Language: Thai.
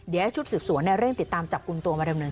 เดี๋ยวให้ชุดสืบสวนเริ่มติดตามจับกุญตัวมาเร็วหนึ่ง